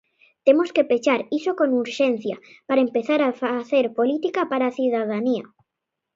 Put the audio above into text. "Temos que pechar iso con urxencia para empezar a facer política para a cidadanía".